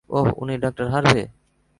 ওহ, উনি ডাঃ হারভে।